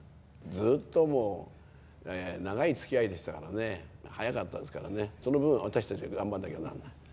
ずっともう、長いつきあいでしたからね、早かったですからね、その分、私たちが頑張らなきゃならない。